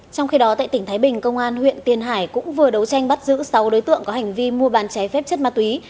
trong khi đó tại tỉnh thái bình công an huyện tiền hải cũng vừa đấu tranh bắt giữ sáu đối tượng có hành vi mua bàn cháy phép chất ma túy